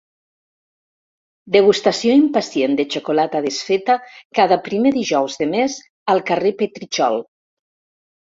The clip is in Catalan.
Degustació impacient de xocolata desfeta cada primer dijous de mes al carrer Petritxol.